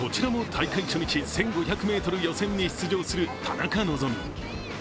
こちらも大会初日、１５００ｍ予選に出場する田中希実。